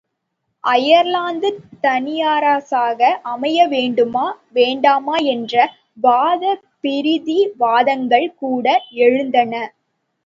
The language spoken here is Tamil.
அயர்லாந்து தனியரசாக அமையவேண்டுமா வேண்டாமா என்ற வாதப் பிரதிவாதங்கள் கூட எழுந்தன.